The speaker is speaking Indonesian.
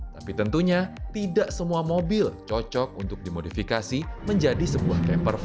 tapi tentunya tidak semua mobil cocok untuk dimodifikasi menjadi sebuah caper fun